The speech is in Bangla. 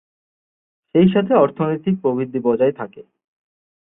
সেই সাথে অর্থনৈতিক প্রবৃদ্ধি বজায় থাকে।